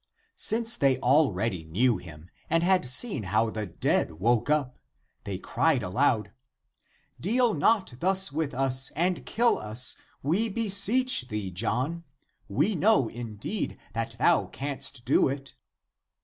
Since they already knew him and had seen how the dead woke up, they cried aloud, " Deal not 150 THE APOCRYPHAL ACTS thus with us and kill us, we beseech thee, John ; we know, indeed that thou canst do it."